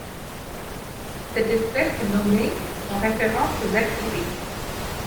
Cette espèce est nommée en référence aux Valkyries.